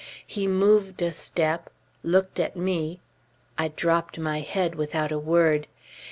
He moved a step, looked at me; I dropped my head without a word.